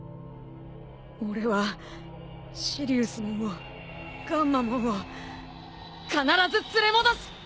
俺はシリウスモンをガンマモンを必ず連れ戻す！